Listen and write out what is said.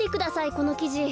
このきじ。